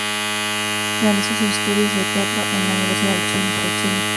Realizó sus estudios de teatro en la Universidad Católica de Chile.